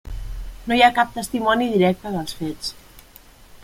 No hi ha cap testimoni directe dels fets.